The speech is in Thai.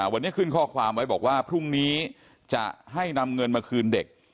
วันนี้ขึ้นข้อความไว้บอกว่าพรุ่งนี้จะให้นำเงินมาคืนเด็ก